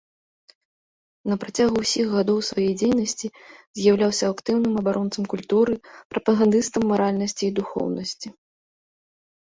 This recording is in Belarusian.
На працягу ўсіх гадоў сваёй дзейнасці з'яўляўся актыўным абаронцам культуры, прапагандыстам маральнасці і духоўнасці.